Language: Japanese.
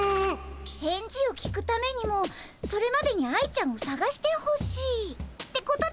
返事を聞くためにもそれまでに愛ちゃんをさがしてほしいってことだね？